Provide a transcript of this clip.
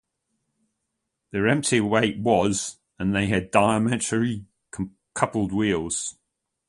Their empty weight was and they had diameter coupled wheels.